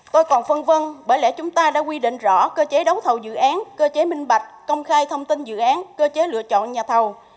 tôi còn phân vân bởi lẽ chúng ta đã quy định rõ cơ chế đấu thầu dự án cơ chế minh bạch công khai thông tin dự án cơ chế lựa chọn nhà thầu